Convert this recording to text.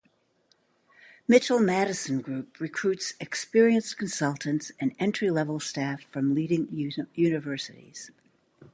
Mitchell Madison Group recruits experienced consultants and entry-level staff from leading universities.